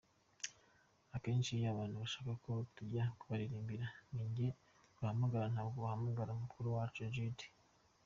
Akenshi iyo abantu bashaka ko tujya kubaririmbira, ninjye bahamagara ntabwo bahamagara mukuru wacu Jude.